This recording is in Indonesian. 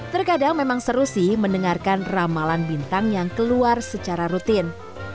terkadang memang seru sih mendengarkan ramalan bintang yang keluar secara rutin